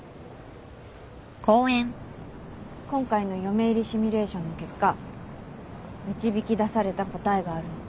今回の嫁入りシミュレーションの結果導き出された答えがあるの。